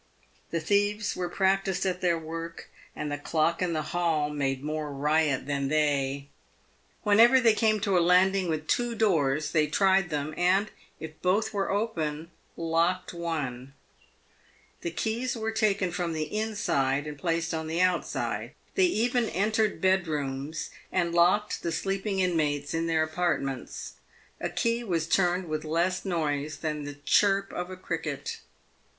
The thieves were practised at their work, and the clock in the hall made more riot than they. Whenever they came to a landing with two doors, they tried them, * The slang term for a regular cracksman. PAVED WITH GOLD. 383 and, if both were open, locked one. The keys were taken from the inside and placed on the outside. They even entered bedrooms and locked the sleeping inmates in their apartments. A key was turned with less noise than the chirp of a cricket.